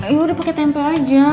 yaudah pake tempe aja